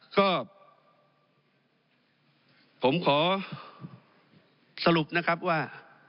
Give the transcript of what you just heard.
ก็ผมขอสรุปนะครับว่า